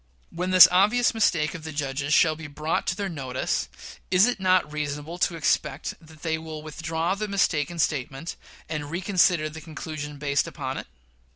When this obvious mistake of the judges shall be brought to their notice, is it not reasonable to expect that they will withdraw the mistaken statement, and reconsider the conclusion based upon it?